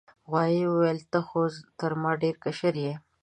غوايي وویل ته خو تر ما ډیر کشر یې.